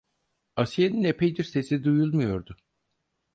Asiye'nin epeydir sesi duyulmuyordu.